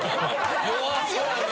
弱そうやな。